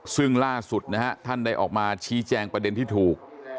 ซึ่งล่าสุดนะฮะท่านได้ออกมาชี้แจงประเด็นที่ถูก